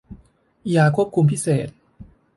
ยาควบคุมพิเศษ